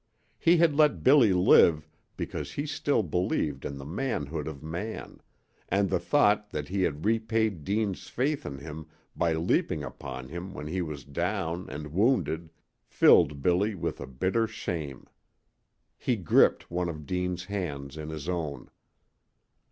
He had let Billy live because he still believed in the manhood of man, and the thought that he had repaid Deane's faith in him by leaping upon him when he was down and wounded filled Billy with a bitter shame. He gripped one of Deane's hands in his own.